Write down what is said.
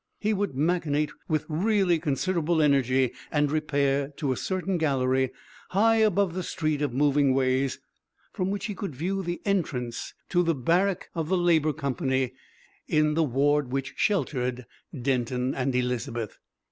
He would machinate with really considerable energy, and repair to a certain gallery high above the street of moving ways, from which he could view the entrance to the barrack of the Labour Company in the ward which sheltered Denton and Elizabeth.